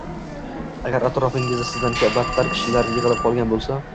Agar atrofingizda sizdan battar kishilar yig’ilib qolgan bo’lsa